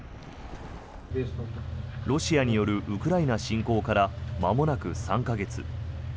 ロシアによるウクライナ侵攻からまもなく３か月。